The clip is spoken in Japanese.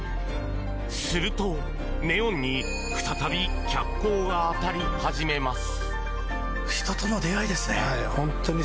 すると、ネオンに再び脚光が当たり始めます。